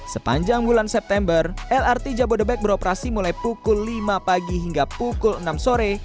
sepanjang bulan september lrt jabodebek beroperasi mulai pukul lima pagi hingga pukul enam sore